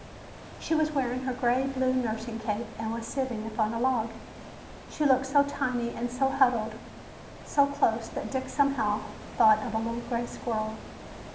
She was wearing her gray blue nursing cape and was sitting upon a log. She looked so tiny and was huddled so close that Dick somehow thought of a little gray squirrel.